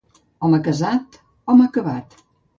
Home casat, home acabat.